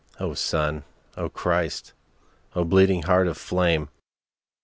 O Sun, O Christ, O bleeding Heart of flame!